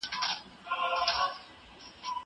زه هره ورځ مړۍ خورم!